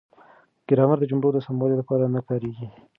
ګرامر د جملو د سموالي لپاره نه کاریږي.